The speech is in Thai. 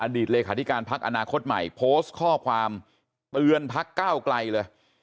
อดีตเลยค่ะที่การพักอนาคตใหม่โพสต์ข้อความเปือนภักดิ์ก้าวกลัยเลย